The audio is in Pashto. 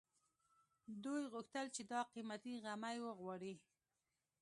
دوی غوښتل چې دا قيمتي غمی وغواړي